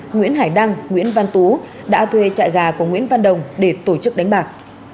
nguyễn hải đăng nguyễn văn tú đã thuê trại gà của nguyễn văn đồng để tổ chức đánh bạc